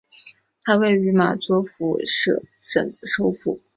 它位于马佐夫舍省的首府。